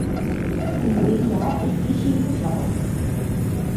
উলুবেড়িয়া একটি শিল্প-শহর।